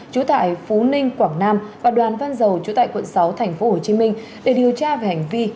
trú tại phú ninh quảng nam và đoàn văn dầu chú tại quận sáu tp hcm để điều tra về hành vi